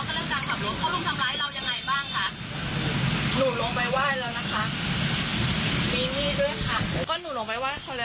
ก็หนูลงไปไหว้คนแล้วขอโทษพี่อย่าหักหลอกันเลย